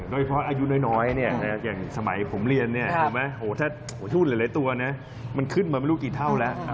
โดยเฉพาะอายุน้อยเนี่ยอย่างสมัยผมเรียนถ้าทูตหลายตัวนะมันขึ้นมาไม่รู้กี่เท่าแล้ว